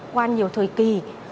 qua nhiều thời kỳ